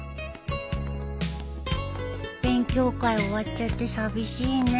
勉強会終わっちゃって寂しいね。